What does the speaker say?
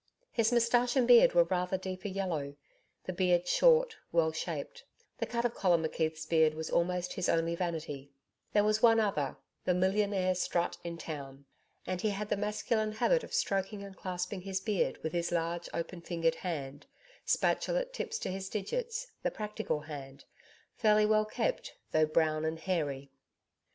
His moustache and beard were rather deeper yellow, the beard short, well shaped the cut of Colin McKeith's beard was almost his only vanity there was one other, the 'millionare strut' in town and he had the masculine habit of stroking and clasping his beard with his large open fingered hand spatulate tips to his digits, the practical hand fairly well kept, though brown and hairy.